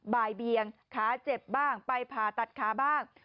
บ่ายเบียงขาเจ็บบ้างไปผ่าตัดขาบ้าง